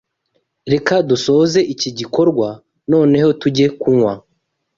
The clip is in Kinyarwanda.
Reka dusoze iki gikorwa noneho tujye kunywa.